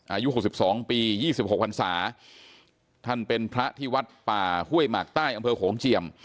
อายุ๖๒ปี๒๖พันศาท่านเป็นพระที่วัดป่าห้วยหมากใต้อำเภอโขงเจียม